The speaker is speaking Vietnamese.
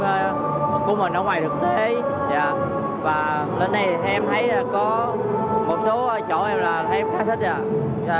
cơ hội của mình ở ngoài thực tế và lần này em thấy có một số chỗ em là em khá thích